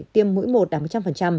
tiêm mũi một đạt một trăm linh